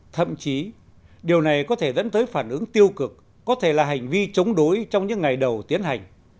thậm chí điều này có thể dẫn tới phản ứng tiêu cực có thể là hành vi chống đối trong những ngày đầu tiến hành